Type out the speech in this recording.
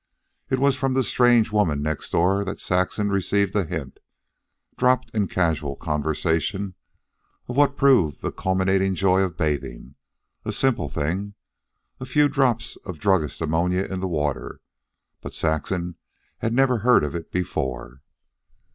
It was from the strange woman next door that Saxon received a hint, dropped in casual conversation, of what proved the culminating joy of bathing. A simple thing a few drops of druggist's ammonia in the water; but Saxon had never heard of it before.